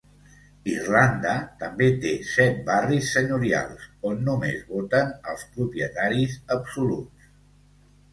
Irlanda també té set "barris senyorials" on només voten els propietaris absoluts.